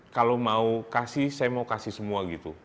kalau mau kasih saya mau kasih semua gitu